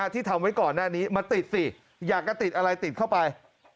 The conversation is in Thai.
ที่ทำไว้ก่อนหน้านี้มาติดสิอยากจะติดอะไรติดเข้าไป